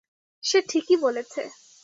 সে ঠিকই বলেছে।